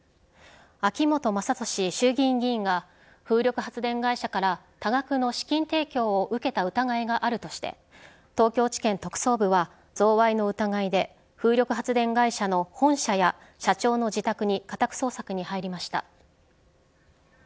秋本真利衆議院議員が風力発電会社から多額の資金提供を受けた疑いがあるとして東京地検特捜部は贈賄の疑いで風力発電会社の本社や社長の自宅に家宅捜索に入りました。